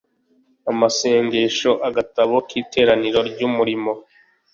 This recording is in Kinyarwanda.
amasengesho agatabo k iteraniro ry umurimo